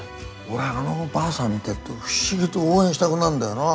俺はあのばあさん見てると不思議と応援したくなるんだよな。